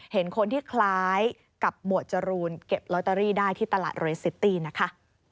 เห็นคนที่คล้ายกับหมวดจรูนเก็บลอตเตอรี่ได้ที่ตลาดเรสซิตี้นะคะ